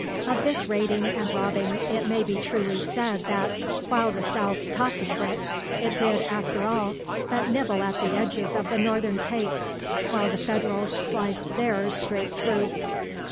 Of this raiding and robbing it may be truly said that, while the South taught the trick, it did, after all, but nibble at the edges of the Northern cake, while the Federals sliced theirs straight through.